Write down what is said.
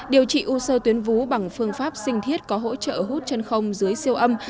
điều trị u sơ tuyến vú bằng phương pháp sinh thiết có hỗ trợ hút chân không dưới siêu âm